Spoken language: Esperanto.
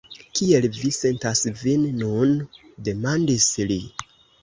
Kiel vi sentas vin nun? demandis li.